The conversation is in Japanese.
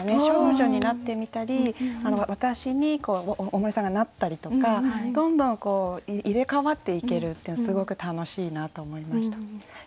少女になってみたり私に大森さんがなったりとかどんどんこう入れ代わっていけるっていうのすごく楽しいなと思いました。